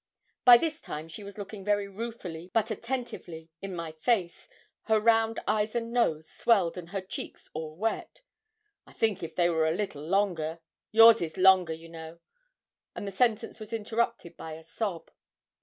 By this time she was looking very ruefully, but attentively, in my face, her round eyes and nose swelled, and her cheeks all wet. 'I think if they were a little longer yours is longer, you know;' and the sentence was interrupted by a sob.